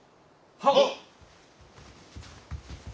はっ。